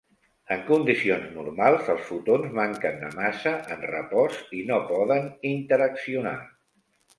En condicions normals, els fotons manquen de massa en repòs i no poden interaccionar.